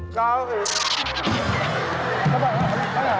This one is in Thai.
เกาหลีหรือเปล่า